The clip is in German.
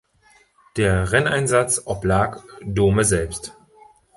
Der Renneinsatz oblag Dome selbst.